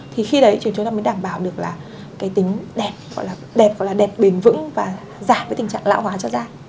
thì khi đấy thì chúng ta mới đảm bảo được là cái tính đẹp gọi là đẹp gọi là đẹp bền vững và giảm cái tình trạng lão hóa chất da